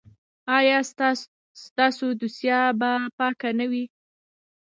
ایا ستاسو دوسیه به پاکه نه وي؟